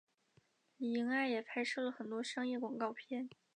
李英爱也拍摄了很多商业广告片。